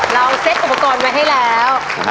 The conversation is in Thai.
เซ็ตอุปกรณ์ไว้ให้แล้ว